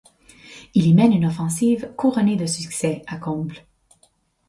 Il y mène une offensive couronnée de succès à Combles.